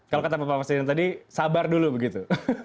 kalau kata pak presiden tadi sabar dulu begitu